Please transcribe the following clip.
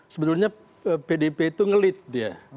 sebetulnya pdip itu ngelit dia